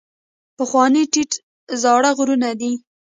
پخواني ټیټ زاړه غرونه دي.